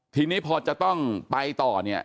ทีนี้พอจะต้องไปต่อเนี่ย